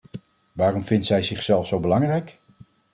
Waarom vindt zij zichzelf zo belangrijk?